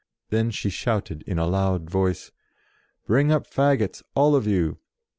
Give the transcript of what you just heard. Then she shouted in a loud voice "Bring up faggots, all of you!"